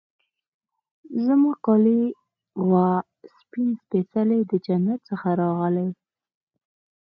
زما کالي وه سپین سپيڅلي د جنت څخه راغلي